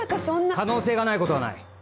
可能性がないことはない。